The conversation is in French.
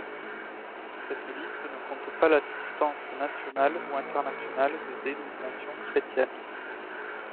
Cette liste ne compte pas l'assistance nationale ou internationale de dénomination chrétienne.